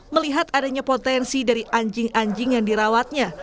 melihat adanya potensi dari anjing anjing yang dirawatnya